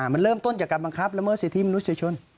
มันเริ่มต้นจากการบังคับระมท์เศรษฐีมนุษยชน